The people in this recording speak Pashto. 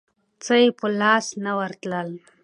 څه یې په لاس نه ورتلل.